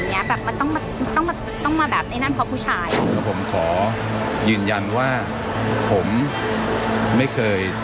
ไม่ได้ทำผิดต่อกันละกันเราก็จะตอบเลยว่าเฮ้ย